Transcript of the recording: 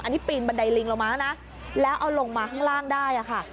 อันนี้ปีนบันไดลิงลงมาแล้วนะแล้วเอาลงมาข้างล่างได้ค่ะ